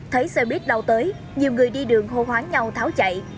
thấy xe buýt đau tới nhiều người đi đường hô hoáng nhau tháo chạy